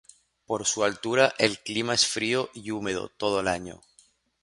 Por su altura, el clima es frío y húmedo todo el año.